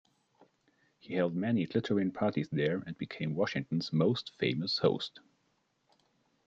He held many glittering parties there and became Washington's most famous host.